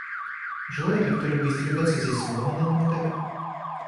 Желает ли кто-либо из делегаций взять слово на данном этапе?